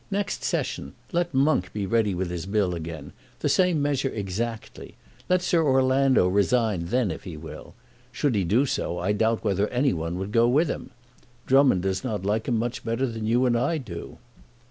Next Session let Monk be ready with his Bill again, the same measure exactly. Let Sir Orlando resign then if he will. Should he do so I doubt whether any one would go with him. Drummond does not like him much better than you and I do."